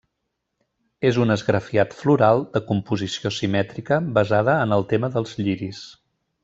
És un esgrafiat floral de composició simètrica basada en el tema dels lliris.